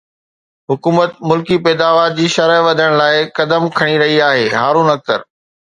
حڪومت ملڪي پيداوار جي شرح وڌائڻ لاءِ قدم کڻي رهي آهي هارون اختر